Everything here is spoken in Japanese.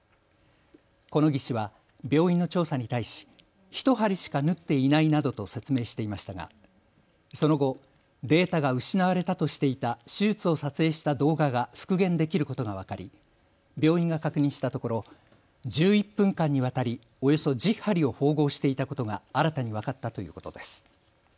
この技士は病院の調査に対し１針しか縫っていないなどと説明していましたが、その後、データが失われたとしていた手術を撮影した動画が復元できることが分かり病院が確認したところ１１分間にわたりおよそ１０針を縫合していたことが新たに分かったということです。